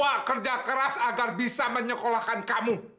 wah kerja keras agar bisa menyekolahkan kamu